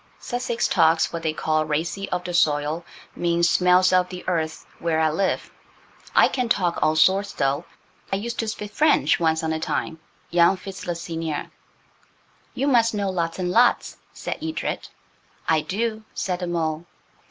Sussex talks what they call 'racy of the soil'–means 'smells of the earth' where I live. I can talk all sorts, though. I used to spit French once on a time, young Fitz le seigneur." "You must know lots and lots," said Edred. "I do," said the mole.